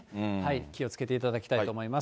気をつけていただきたいと思います。